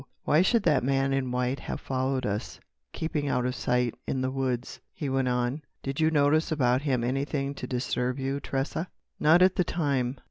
"Why should that man in white have followed us, keeping out of sight in the woods?" he went on. "Did you notice about him anything to disturb you, Tressa?" "Not at the time.